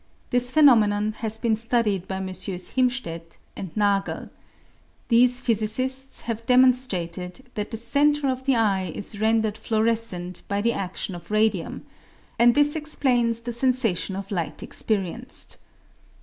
This phenomenon has been studied by MM. Himstcdt and Nagel. These physicists have demonstrated that the centre of the eye is rendered fluorescent by the adion of radium, and this explains the sensation of light experienced.